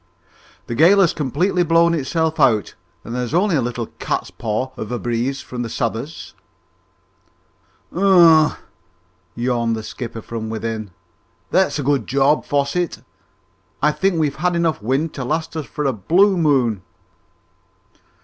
"The gale has completely blown itself out, and there's only a little cat's paw of a breeze from the south'ard." "Humph!" yawned the skipper from within. "That's a good job, Fosset. I think we've had enough wind to last us for a blue moon!"